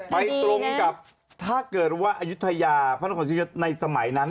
ไปตรงกับถ้าเกิดว่าอายุทยาภรรณของชีวิตในสมัยนั้น